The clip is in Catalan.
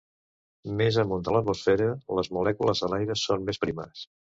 Més amunt de l'atmosfera, les molècules a l'aire són més primes.